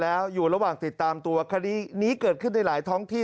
แล้วอยู่ระหว่างติดตามตัวคดีนี้เกิดขึ้นในหลายท้องที่